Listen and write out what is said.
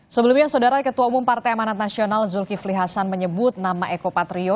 sebelumnya saudara ketua umum partai amanat nasional zulkifli hasan menyebut nama eko patrio